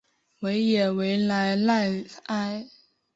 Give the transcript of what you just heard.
维耶维莱赖埃。